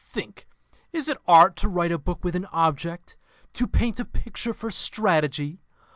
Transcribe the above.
Think: Is it Art to write a book with an object, to paint a picture for strategy?'